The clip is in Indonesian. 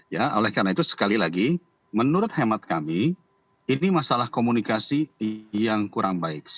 ya oleh karena itu sekali lagi menurut hemat kami ini masalah komunikasi yang kurang baik